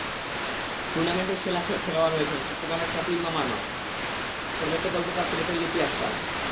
টুর্নামেন্টের সেরা খেলোয়াড় হয়েছেন চট্টগ্রামের চাতুইমা মারমা, সর্বোচ্চ গোলদাতা সিলেটের লিপি আক্তার।